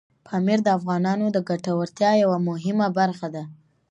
پامیر د افغانانو د ګټورتیا یوه مهمه برخه ده.